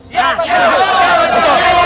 iya pak rw